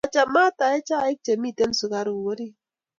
machamat aee chaik chemiten sukaruk orit